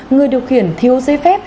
người điều khiển thiếu giấy phép